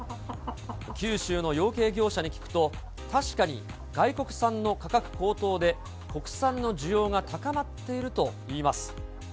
九州の養鶏業者に聞くと、確かに外国産の価格高騰で、国産の需要が高まっているといいます。